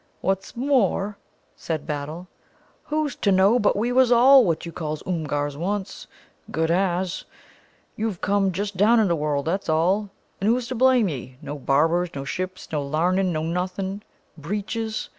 What's more," said Battle, "who's to know but we was all what you calls Oomgars once? Good as. You've just come down in the world, that's all. And who's to blame ye? No barbers, no ships, no larnin', no nothing. Breeches?